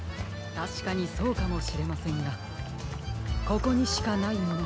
たしかにそうかもしれませんがここにしかないもの